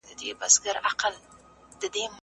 هغه وويل چي بازار ګټور دی!.